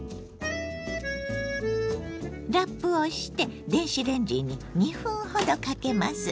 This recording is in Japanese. ラップをして電子レンジに２分ほどかけます。